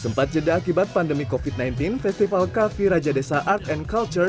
sempat jeda akibat pandemi covid sembilan belas festival cafe raja desa art and culture